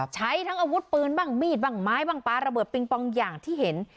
ใช้ทั้งอาวุธปืนบ้างมีดบ้างไม้บ้างปลาระเบิดปิงปองอย่างที่เห็น